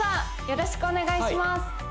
よろしくお願いします